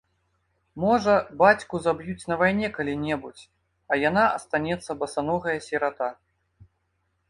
Можа, бацьку заб'юць на вайне калі-небудзь, а яна астанецца басаногая сірата.